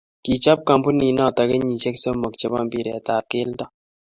kichob kambunit noto kenyishe somok che bo mpiret ab kelto